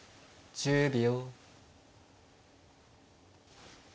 １０秒。